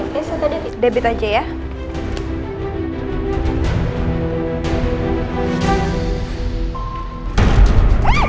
mau berniak apa apa ya